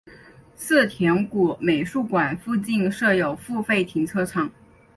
世田谷美术馆附近设有付费停车场。